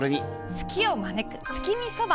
ツキを招く月見そば！